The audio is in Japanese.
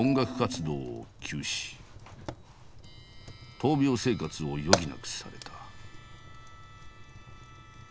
闘病生活を余儀なくされた。